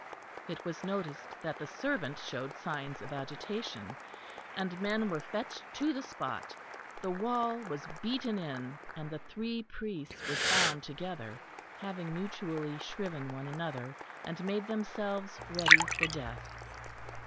It was noticed that the servant showed signs of agitation; and men were fetched to the spot; the wall was beaten in and the three priests were found together, having mutually shriven one another, and made themselves ready for death.